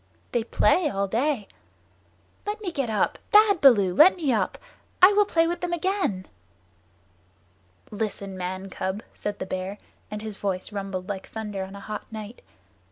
They play all day. Let me get up! Bad Baloo, let me up! I will play with them again." "Listen, man cub," said the Bear, and his voice rumbled like thunder on a hot night.